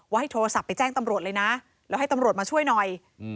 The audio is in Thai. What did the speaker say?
ให้โทรศัพท์ไปแจ้งตำรวจเลยนะแล้วให้ตำรวจมาช่วยหน่อย